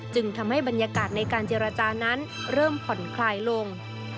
จึงทำให้บรรยากาศในการเจรจานั้นเริ่มผ่อนคลายลง